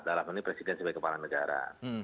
dalam ini presiden sebagai kepala negara